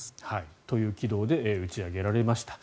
という軌道で打ち上げられました。